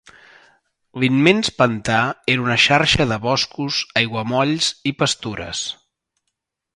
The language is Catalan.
L'immens pantà era una xarxa de boscos, aiguamolls i pastures.